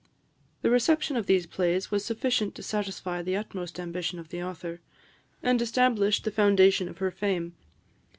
The reception of these plays was sufficient to satisfy the utmost ambition of the author, and established the foundation of her fame.